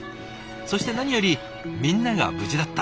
そして何よりみんなが無事だった。